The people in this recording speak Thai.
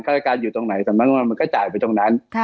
ราชการอยู่ตรงไหนสำนักงานมันก็จ่ายไปตรงนั้น